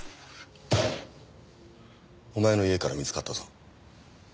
お前の家から見つかったぞ。